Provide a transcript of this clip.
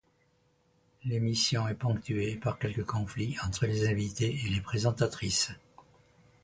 L’émission est ponctué par quelques conflits entre les invités et les présentatrices.